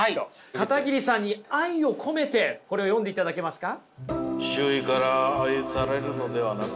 片桐さんに愛を込めてこれを読んでいただけますか？